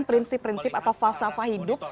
prinsip prinsip atau falsafah hidup